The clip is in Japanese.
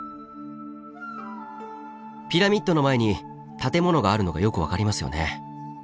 ピラミッドの前に建物があるのがよく分かりますよね。